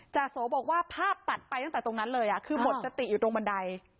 จาโสบอกว่าภาพตัดไปตั้งแต่ตรงนั้นเลยคือหมดสติอยู่ตรงบันได